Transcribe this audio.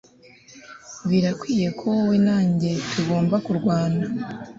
Birakwiye ko wowe na njye tugomba kurwana